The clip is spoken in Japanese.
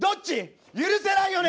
許せないよね！